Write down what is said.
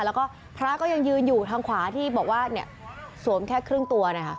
แล้วก็พระก็ยังยืนอยู่ทางขวาที่บอกว่าเนี่ยสวมแค่ครึ่งตัวนะคะ